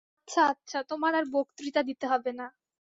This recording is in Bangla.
আচ্ছা আচ্ছা, তোমার আর বক্তৃতা দিতে হবে না।